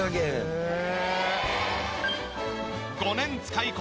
へえ。